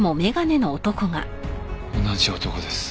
同じ男です。